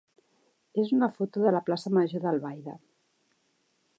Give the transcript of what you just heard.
és una foto de la plaça major d'Albaida.